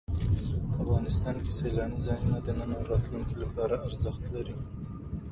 افغانستان کې سیلانی ځایونه د نن او راتلونکي لپاره ارزښت لري.